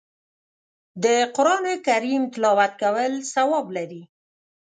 د قرآن کریم تلاوت کول ثواب لري